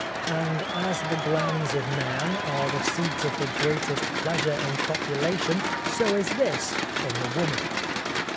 And as the glans of man are the seat of the greatest pleasure in copulation, so is this in the woman.